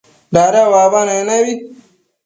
dada uabanec nebi